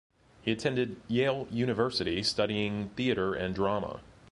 He attended Yale University, studying theatre and drama.